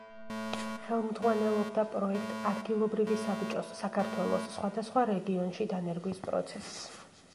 ხელმძღვანელობდა პროექტ „ადგილობრივი საბჭოს“ საქართველოს სხვადასხვა რეგიონში დანერგვის პროცესს.